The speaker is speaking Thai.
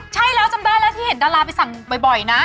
ใช่แล้วจำได้แล้วที่เห็นดาราไปสั่งบ่อยนะ